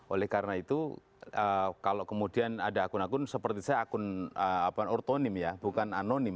oleh karena itu kalau kemudian ada akun akun seperti saya akun ortonim ya bukan anonim